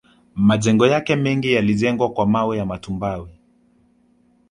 Majengo yake mengi yalijengwa kwa mawe ya matumbawe